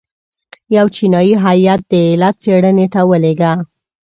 یو چینایي هیات د علت څېړنې ته ولېږه.